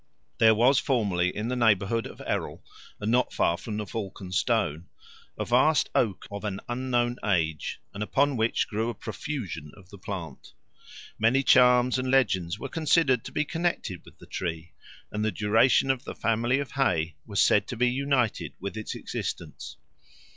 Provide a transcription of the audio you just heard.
There was formerly in the neighbourhood of Errol, and not far from the Falcon stone, a vast oak of an unknown age, and upon which grew a profusion of the plant: many charms and legends were considered to be connected with the tree, and the duration of the family of Hay was said to be united with its existence.